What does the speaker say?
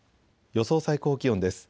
予想最高気温です。